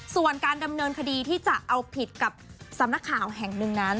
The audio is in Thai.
ส่วนการดำเนินคดีที่จะเอาผิดกับสำนักข่าวแห่งหนึ่งนั้น